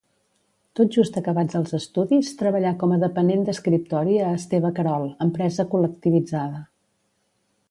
Tot just acabats els estudis treballà com a depenent d'escriptori a Esteve Querol, Empresa Col·lectivitzada.